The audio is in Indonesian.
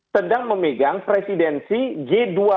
sedang memegang presidensi g dua puluh